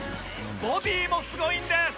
ボディーもすごいんです！